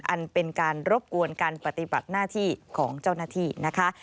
อันเป็นการรบกวนการปฏิบัติหน้าที่ของเจ้าหน้าที่นะคะ